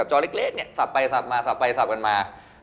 จอเล็กเนี่ยสับไปสับมาสับไปสับกันมา